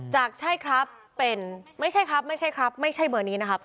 จากใช่ครับเป็นไม่ใช่ครับไม่ใช่ครับไม่ใช่เบอร์นี้นะครับ